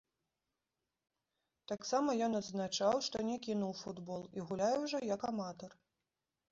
Таксама ён адзначаў, што не кінуў футбол і гуляе ўжо як аматар.